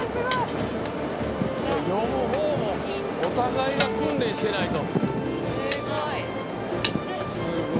読むほうもお互いが訓練してないと。